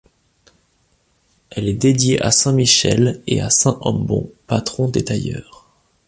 Elle est dédiée à saint Michel et à saint Hommebon, patron des tailleurs.